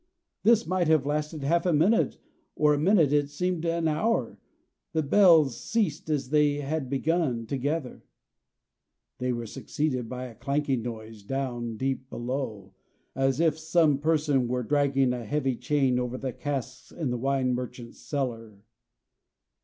This might have lasted half a minute, or a minute, but it seemed an hour. The bells ceased as they had begun, together. They were succeeded by a clanking noise deep down below, as if some person were dragging a heavy chain over the casks in the wine merchant's cellar.